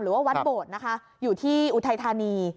หรือว่าวัดโบดนะคะอยู่ที่อุทัยธานี